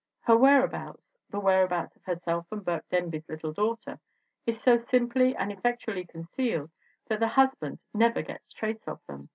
Her whereabouts, the whereabouts of herself and Burke Denby's little daughter, is so simply and effectually concealed, that the husband never gets trace of them.